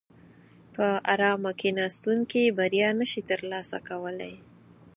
په ارامه کیناستونکي بریا نشي ترلاسه کولای.